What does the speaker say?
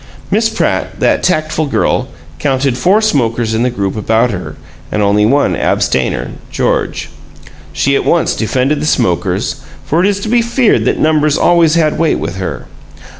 Miss Pratt, that tactful girl, counted four smokers in the group about her, and only one abstainer, George. She at once defended the smokers, for it is to be feared that numbers always had weight with her.